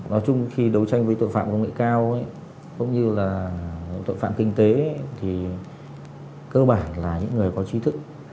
nói chung khi đấu tranh với tội phạm công nghệ cao cũng như là tội phạm kinh tế thì cơ bản là những người có trí thức